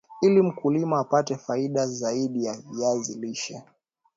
Ili mkulima apate faida zaidi ya viazi lishe